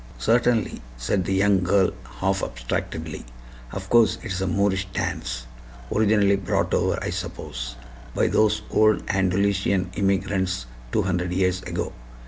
"Certainly," said the young girl, half abstractedly. "Of course it's a Moorish dance, originally brought over, I suppose, by those old Andalusian immigrants two hundred years ago.